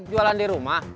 jualan di rumah